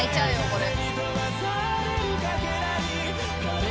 これ。